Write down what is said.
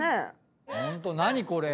ホント何これ？